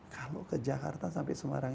kalau ke jakarta sampai semarang